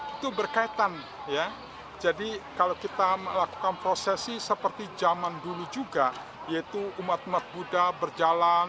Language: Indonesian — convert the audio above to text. itu berkaitan ya jadi kalau kita melakukan prosesi seperti zaman dulu juga yaitu umat umat buddha berjalan